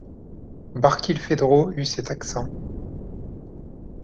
Barkilphedro eut cet accent.